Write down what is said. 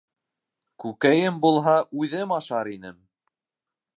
Күкәйем булһа, үҙем ашар инем!